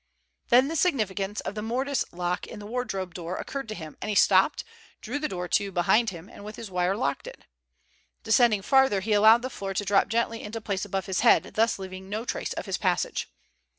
Then the significance of the mortice lock in the wardrobe door occurred to him, and he stopped, drew the door to behind him, and with his wire locked it. Descending farther he allowed the floor to drop gently into place above his head, thus leaving no trace of his passage.